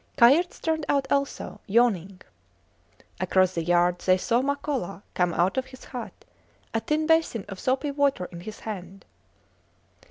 Kayerts turned out also, yawning. Across the yard they saw Makola come out of his hut, a tin basin of soapy water in his hand.